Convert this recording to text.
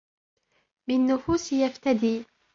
بالنفــــــــــــوسِ يفتــــــــــــــدى